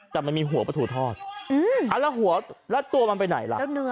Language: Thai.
แต่มันมีหัวปลาถูทอดแล้วหัวแล้วตัวมันไปไหนล่ะ